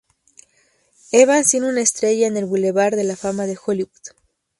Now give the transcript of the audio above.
Evans tiene una estrella en el Boulevard de la fama de Hollywood.